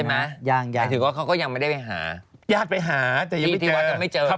แต่เขาก็ยังไม่ได้ไปหาใช่มั้ย